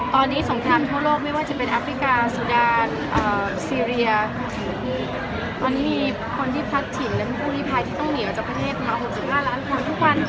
ตอนนี้สงครามทั่วโลกไม่ว่าจะเป็นแอฟริกาสุดาซีเรียสที่ตอนนี้มีคนที่พลัดถิ่นและผู้ลิภัยที่ต้องหนีออกจากประเทศมา๖๕ล้านคนทุกวัน